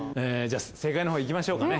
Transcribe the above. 正解のほう行きましょうかね